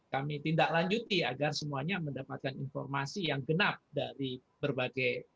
kami tindak lanjuti agar semuanya mendapatkan informasi yang genap dari berbagai